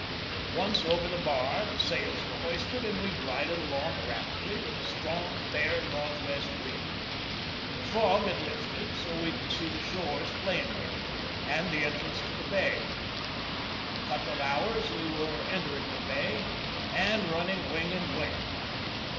Once over the bar, the sails were hoisted, and we glided along rapidly with a strong, fair, northwest wind. The fog had lifted, so we could see the shores plainly, and the entrance to the bay. In a couple of hours we were entering the bay, and running "wing and wing."